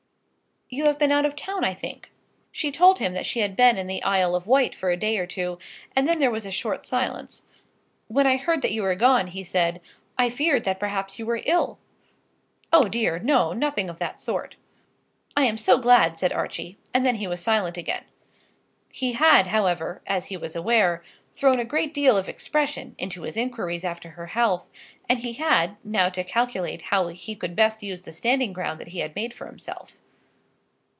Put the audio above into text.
"You have been out of town, I think?" She told him that she had been in the Isle of Wight for a day or two, and then there was a short silence. "When I heard that you were gone," he said, "I feared that perhaps you were ill!" "O dear, no; nothing of that sort." "I am so glad," said Archie; and then he was silent again. He had, however, as he was aware, thrown a great deal of expression into his inquiries after her health, and he had now to calculate how he could best use the standing ground that he had made for himself.